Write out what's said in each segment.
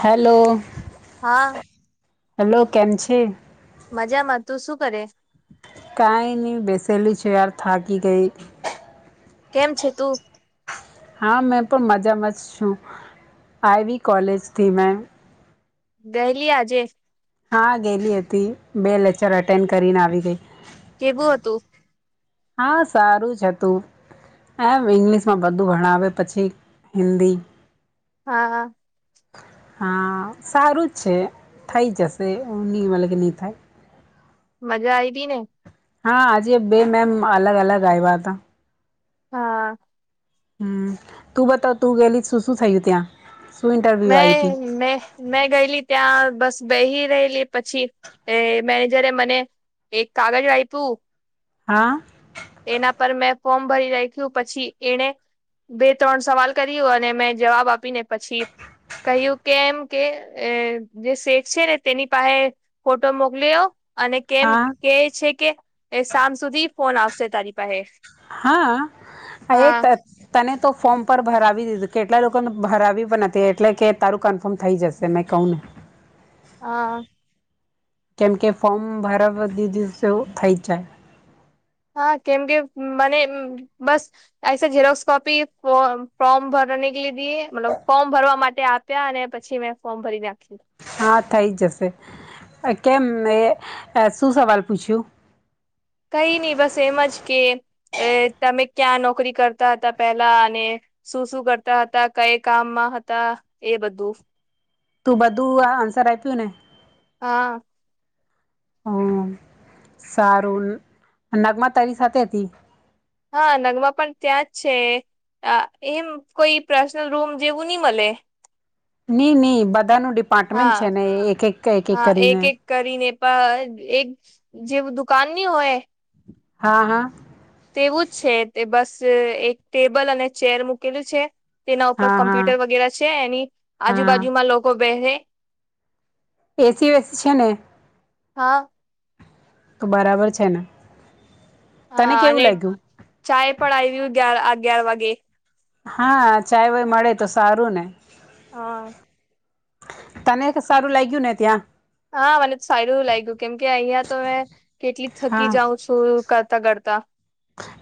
Hello? હા hello કેમ છે? મજામાં તું શું કરે કાંઈ નહી બેસેલી છેયાર થાકી ગઈ. કેમ છે તું હા મેં પણ મજામાં જ છું આઈવી કોલેજથી મેં ગયલી આજે હા ગેલી હતી બે લેક્ચર અટેન્ડ કરીને આવી ગઈ. કેવું હતું. હા સારું જ હતું. એમ ઈંગ્લિશ માં બધું ભણાવે પછી હિન્દી હા હા હા સારું જ છે થઈ જશે નહી મતલબ કે નહી થાય. મજા આવીને. હા આજે બે મેમ અલગ અલગ આવ્યા હતા. હા. હું તું બતાવ તું ગયલી શું શું થયું ત્યાં. શું ઇન્ટરવ્યૂ મેં આપી મે મેં ગયેલી ત્યાં બસ બેહી રહેલી પછી એ મેનેજરે મને એક કાગળ આપ્યું. હા. એના પર મેં ફોર્મ ભરી રાખ્યું પછી એને બે ત્રણ સવાલ કર્યો અને મેં જવાબ આપીને પછી કહ્યું કેમ કે જે શેખ છે, ને તેની પાહે ફોટો મોકલીયો અને કેમ હા કેય છે, કે સામ સુધી ફોન આવશે તારી પાહે હા એ હા તને તો ફોર્મ પર ભરાવી દીધું કેટલા લોકોને ભરાવી પણ હતી એટલે કે તારું કન્ફર્મ થઈ જશે મેં કહું ને હા. કેમ કે ફોર્મ ભરાવા દીધું તો થઈ જાય હા કેમ કે મને બસ એશ જેરોક્સ કોપી ફોર્મ ભર નીક લીધી મતલબ ફોર્મ ભરવા માટે આપ્યા અને પછી મેં ફોર્મ ભરી નાખી હા થઈ જશે કેમ મેયે શું સવાલ પૂછ્યું કઈ ની બસ એમ જ કે એ તમે ક્યાં નોકરી કરતા હતા પેલા અને શું શું કરતા હતા કઈ કામમાં મા હતા એ બધું તું બધું આ આન્સર આપ્યું ને હા. હમ સારું નગમાં તારી સાથે હતી હા નગમા પણ ત્યાં જ છે. અ એમ કોઈ પર્સનલ રૂમ જેવું ની મલે ની ની બધાનું ડિપાર્ટમેન્ટ છે, ને એક એક એક એક કરીને પણ એક જેવુ દુકાનની હોયએ હા હા તેવું જ છે, તે બસ એક ટેબલ અને ચેર મૂકેલું છે. તેના ઉપર હા હા કોમ્પ્યુટર વગેરે છે, એની હા આજુબાજુમાં લોકો બેસે એસી વેસી છે, ને હા. તો બરાબર છે, ને તને હા કેવું અને લાગ્યું? ચાય પડ આવયુ ગિયાર અગિયાર વાગે હા ચાય વાય મળે તો સારું ને હા. તને સારું લાગયું ને ત્યાં હા મને તો સારું એવું લાગ્યું કેમ કે અહિયાં તો મે કેટલી થકી હા જાઉં છું કરતા કરતા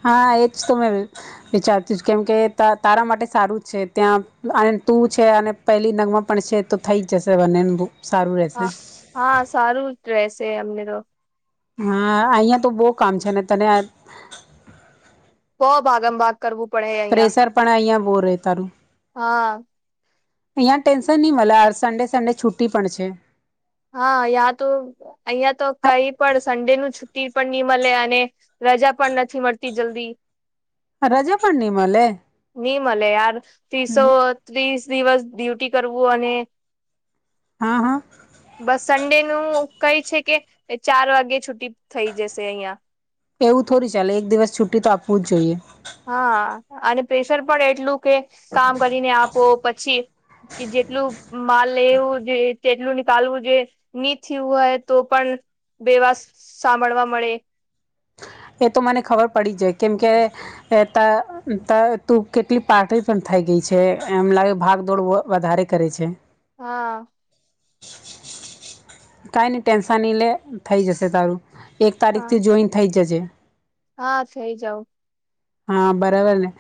હા એજ તો મેં વિચારતી કેમકે તારા માટે સારું છે, ત્યાં અને તું તુ છે, અને પહેલી નગમાં પણ છે, તો થઈ જશે બંને સારું રહેશે હા હા સારું જ રહેશે અમને તો હા અંયા તો બો કામ છે, ને તને બો ભાગમ ભાગ કરવું પડે અહિયાં પ્રેેશર પણ અંયા બો રહે તારું હા અંયા ટેન્શન ની મલે સન્ડે સન્ડે છુટી પણ છે. હા યાં તો અંયા તો કઈ પણ સન્ડેનું છુ ટી પણ ની મલે અને રજા પણ નથી મળતી જલ્દી રજા પણની મલે મલે યાર ત્રીસો ત્રીસ દિવસ ડ્યુટી કરવું અને હા હા બસ સન્ડેનું કઈ છે, કે ચાર વાગે છુટી થઈ જશે અંયા એવું થોડી ચાલે એક દિવસ છુટી તો આપવું જ જોઈએ હા અને પ્રેશર પણ એટલું કે કામ કરીને આપો પછી કે કેટલું માલ લેવું જોઈએ તેટલું નીકાલવું જોઈએ ની થીયુ હોય તો પણ બેવાસ સાંભળવા મળે એ તો મને ખબર પડી જાય કેમકે તા તા તુ કેટલી પાટળી પણ થઇ ગઈ છે એમ લાગે ભાગદોડ વધારે કરે છે હા કાંઈ ન ટેન્શનહી લે થઈ જશે તારું એક હા તારીખથી જોઈન થઈ જશે હા થઈ જાઉ હા બરાબર ને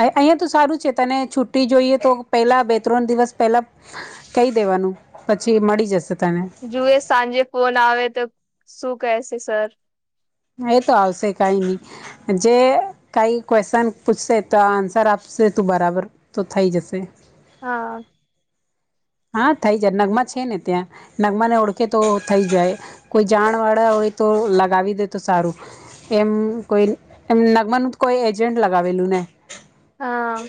અહિયાયા તો સારું છે તને છુટ્ટી જોઈએ તો પેલા બે ત્રણ દિવસ પેલા કહી દેવાનું પછી મળી જશે તને જુએ સાંજે ફોન આવે તો શું કહેશે સર એ તો આવશે કઈ નહી જે કઈ ક્વેશ્ચન પૂછશે તો આન્સર આપ સે તું બરાબર તો થઈ જશે હા હા થઈ જાય નગમા છે ને ત્યાં નગમા ને ઓળખે તો થઈ જાય કોઈ જાણ વાળા તો લગાવી દે તો સારું એમ કોઈ એમ નગમ ન કોઈ એજન્ટ લગાવેલું ને હા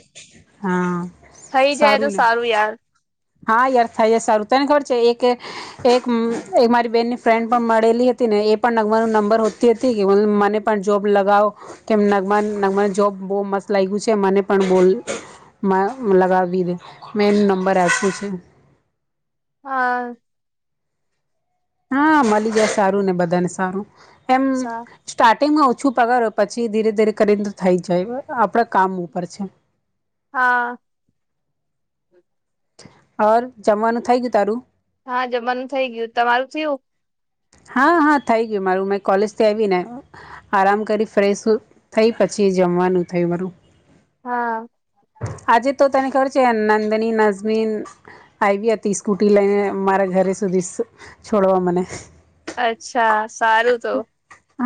હા થઈ જાય તો સારું યાર હા યાર થાય જ સારું તને ઘર છે એક એક મારી બેનની ફ્રેન્ડ પણ મળેલી હતી ને એ પણ નગમા ન નંબર હોતી હતી કે મને પણ જોબ લગાવો કે નગમા નગમા જોબ બહુ મસ્ત લાગ્યું છે મને પણ બોલ લગાવી દે મેં એ નંબર આપ્યું છે ઠીક હા હા મળી જાય સારું ને બધાને સારું એમ સા સ્ટાર્ટિંગમાં પાછું પગાર હો પછી ધીરે ધીરે કરીને તો થઈ જાય આપણા કામ ઉપર છે હા હર જમવાનું થાય ગયું તારું હા જમવાનું થઇ ગયું તમારું થયું હા હા થઈ ગયું માર મે કોલેજ થી આવી ને આરામ કરી ફ્રેશ થઈ પછી એ જમવાનું થયું બરું હા આજે તો તને ખબર છે નંદની નઝમીન આવી હતી સ્કૂટી લઈને મારા ઘરે સુધી છોડવા મને અચ્છા સારું તો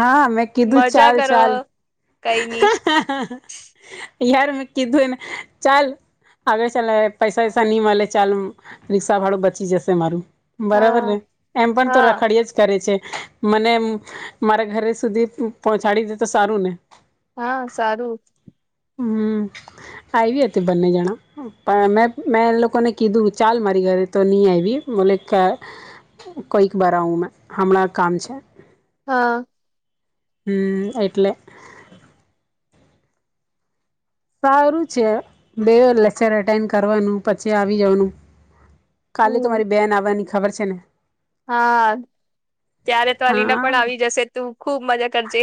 હા મેં કીધું મજા ચાલ કરો ચાલ કઈ નઈ યાર મે કીધુંને ચાલ આગળ ચા પૈસા એૈસા નહી મળે ચાલ રિક્ષા ભાડું બચી જશે મારું બરોબર ને હા એમ પણ તો હા રખડીય જ કરે છે મને મારા ઘરે સુધી પહોંચાડી દે તો સારુંને હા સારું હમ આવી હતી બંને જણા પણ મે મેં એ લોકોને કીધું ચાલ મારી ઘરે તો ની આયવી બોલ કે કોઈક બરા હું મેં હમણાં કામ છે હા હમ એટલે સારું છે બે લેક્ચર એટેન્ડ કરવાનું પછી આવી જવાનું કાલે તો હમ મારી બેન આવવાની ખબર છે ને હા ત્યારે તો હા અલીના પણ આવી જશે તું ખુબ મજા કરજે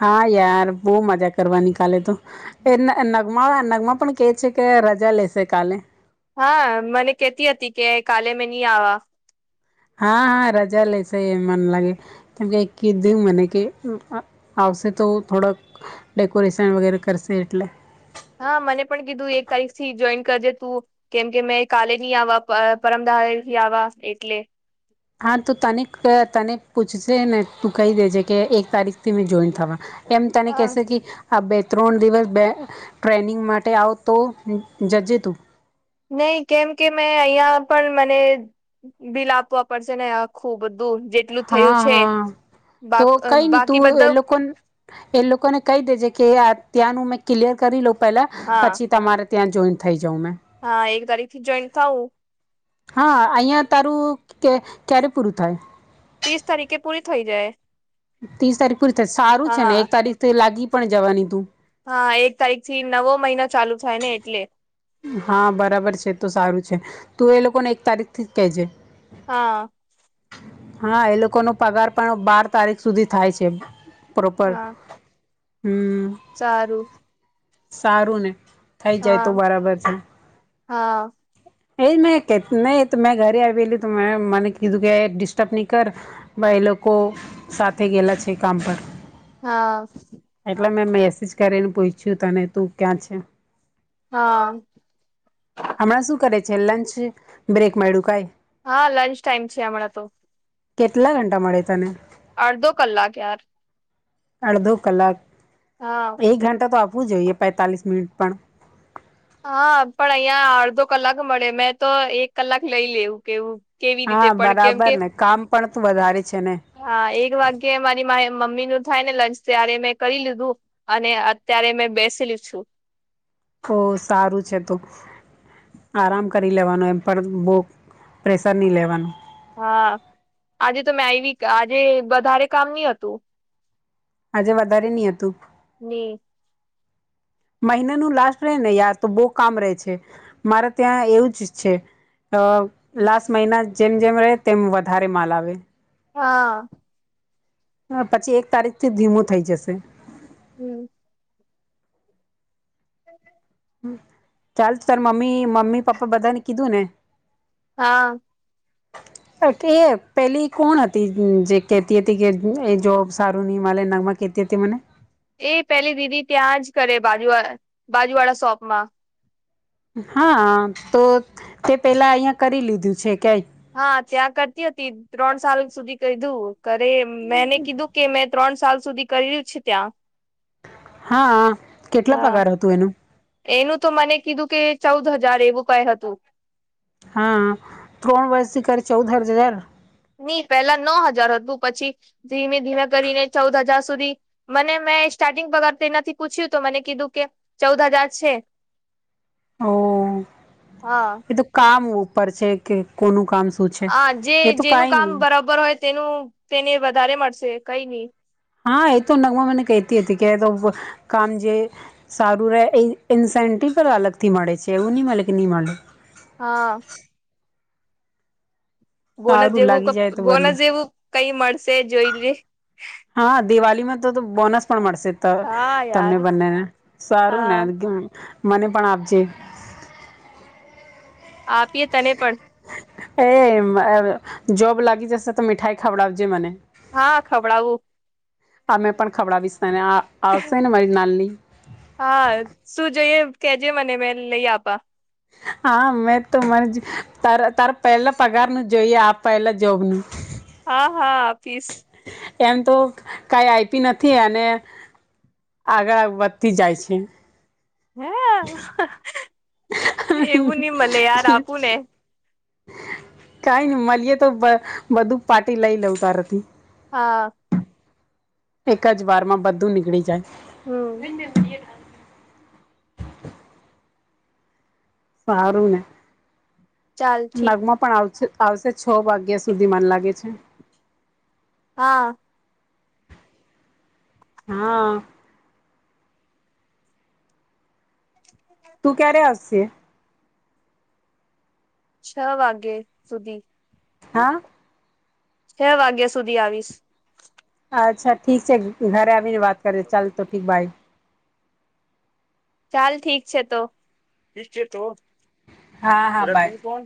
હા યાર બહુ મજા કરવાની કાલે તો એ નગમા નગમા પણ કે છે કે રજા લે એસે કાલે હા મને કેતી હતી કે કાલે મે ની આવા હા હા રજા લેસે એમ મને લાગે કેમ કે કીધું મને કે આવશે તો થોડોક ડેકોરેશન વગેરે કરશે એટલે હા મને પણ કીધું એક તારીખ થી જોઈન કરજે તું કેમ કે મે કાલે ની આવા પરમદા થી આવા એટલે હા તો તને તને પૂછશેને તું કહી દેજે કે એક તારીખથી મેં જોઈન થવા એમ તને હા કેસે કે આ બે ત્રણ દિવસ બે ટ્રેનિંગ માટે આવતો જજે તું નહી કેમ કે મેં અહિયાં પણ મને બિલ આપવા પડશેને ખુબ જેટલું થયું હા છે હા તો કઈ નહી બાકી તું એ બધા લોકોન એ લોકોને કહી દેજે કે ત્યાંનું મેં ક્લિયર કરી લઉ પેલા હા પછી તમારે ત્યાં જોઇન થાય હા એક તારીખથી જોઈન થાવું હા અહિયાં તારું કે ક્યારે પૂરું થાય ત્રીસ તારીખે પૂરી થઈ જાય ત્રીસ તારીખ પૂરી થાય સારું છે ને હા એક તારીખથી લાગી પણ જવાની તુ હા એક તારીખથી નવો મહિનો ચાલુ થાયને એટલે હા બરાબર છે તો સારું છે તું એ લોકોને એક તારીખથી જ કેજે હા હા એ લોકોનો પગાર પણ બાર તારીખ સુધી થાય છે પ્રોપર હા સારું સારુંને થઈ જાય હા તો બરાબર છે હા એજ મે કે મેં ઘરે આવેલી તો મેં મને કીધું કે ડિસ્ટર્બ નહી કર એ લોકો સાથે ગયેલા છે કામ પર હા એટલે મેં મેસેજ કરીને પૂછ્યું તને તું ક્યાં છે હા હમણાં શું કરે છે લંચ બ્રેક મળ્યું કઈ હા લંચ ટાઈમ છે હમણાં તો કેટલા ઘંટા મળે તને અડધો કલાક યાર અડધો કલાક હા એક ઘંટા તો આપ આપવું જોઈએ પેતાલીસ મિનિટ પણ હા પણ અહીંયા અડધો કલાક મળે મેં તો એક કલાક લઈ લેવું કેવું કેવી રીતે હા પણ કેમ કે બરાબરને કામ પણ તો વધારે છે ને હા એક વાગ્યે મારી મમીનું થાય ને લંચ ત્યારે મેં કરી લીધું અને અત્યારે મેં બેસી લીધ છું. ઓ સારું છે તું. આરામ કરી લેવાનું એમ પણ બો પ્રેશર નહી લેવાનું. હા આજે તો મેં આવી આજે વધારે કામ નહ હતું. આજે વધારે નહ હતું ને મહિનાનુંનુ લાસ્ટ રહે ને યાર તો બહુ કામ રહે છે મારે ત્યાં એવું જ છે. અ લાસ્ટ મહિના જેમ જેમ રહે તેમ વધારે માલ આવે. હા હ પછી એક તારીખ થી ધીમો થઈ જશે. હમ [inaudible] ચાલ તારે મમ્મી મમ્મી પપ્પા બધા ને કીધું ને. હા એ પેલી કોણ હતી જે કેહેતી હતી કે એ જો સારું નહ માલેગમાં. એથી મને એ પેલી દીદી ત્યાં જ કરે બાજુ બાજુ વાળા શોપમાં હા તો તે પેલા અહિયાં કરી લીધું છે કય હા ત્યાં કરતી હતી ત્રણ સાલ સુધી કધું કરે મેને કીધું કે મેં ત્રણ સાલ સુધી કર્યું છે ત્યાં હા કેટલા હા પગાર હતું એનું? એનું તો મને કીધું કે ચૌદ હજાર એવું કઈ હતું. હા ત્રણ વર્ષથી કરી ચૌદ હર હજાર નઈ પેલા નવ હજાર હતું પછી ધીમે ધીમે કરીને ચૌદ હજાર સુધી મને મે સ્ટાર્ટિંગ પગર તેનાથી પૂછ્યું તો મને કીધું કે ચૌદ હજાર છે. ઓ હા એ તો કામ ઉપર છે કે કોનું કામ શું છે હા જે એ તો જેનું કાઈ કામ નહી બરાબર હોય તેનું તેને વધારે મળશે કઈ નહી. હા એ તો નગમા મને કતી હતી કે તો કામ જે સારું રહે. [unintelligible] અલગ થી મળે છે એવું નહી મળે કે નહી મળે હા. બોનસ સારું જેવું લાગી જાય તો બંને બોનસ જેવું કઈ મળશે જોઈ લ હા દિવાળીમાં બોનસ પણ મળશે હા તમને યાર બંનેને સારું હા ને મને પણ આપજે. આપીએ તને પણ. હે મ જોબ લાગી જશે તો મીઠાઈ ખાવડાજ મને. હા ખવડાવું અમે પણ ખવડાવીશને એ આવશે ને મારી નાલી. હા શું જઈએ કેજે મને મે લઈ આપા હા મેં તો મને જ તારા પહેલા પગાર નું જોઈએ આ પહેલા જોબનું હા હા આપીસ. એમ તો કઈ આપી નથી અને આગળ વધતી જાય છે. હે એવું નહી મલે યાર આપું ને [unintelligible] કઈ ન મળીએે તો બ બધું પાર્ટી લઈ લઉ તારથી. હા. એક જ વાર માં બધું નીકળી જાય. હમ સારુંને ચાલ ઠીક નગમાં પણ આવશે છ વાગ્યા સુધી મન લાગે છે. હા. હા. [inaudible] તું ક્યારે આશે છ વાગે સુધી હા છ વાગ્યા સુધી આવીશ. અચ્છા ઠીક છે ઘરે આવીને વાત કરે ચાલ તો ઠીક ભાઈ. ચાલ ઠીક છે તોઠક છે તો હા હા રત્ન બાય કોણ